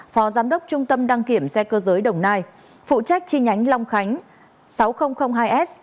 phó giám đốc trung tâm đăng kiểm xe cơ giới đồng nai phụ trách chi nhánh long khánh sáu nghìn hai s